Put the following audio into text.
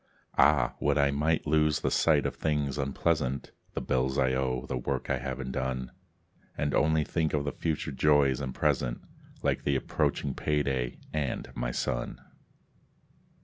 Ah, would I might lose sight of things unpleasant: The bills I owe; the work I haven't done. And only think of future joys and present, Like the approaching payday, and my son.